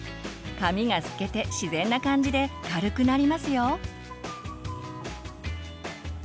髪が透けて自然な感じで軽くなりますよ。